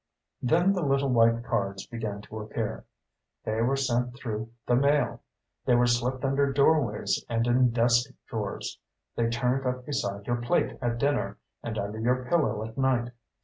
Then the little white cards began to appear. They were sent through the mail. They were slipped under doorways and in desk drawers. They turned up beside your plate at dinner and under your pillow at night.